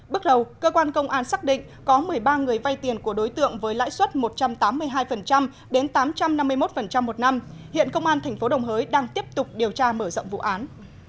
bước đầu cơ quan công an xác định có một mươi ba người vay tiền của đối tượng với lãi suất một trăm tám mươi hai đến tám trăm năm mươi một một năm hiện công an tp đồng hới đang tiếp tục điều tra mở rộng vụ án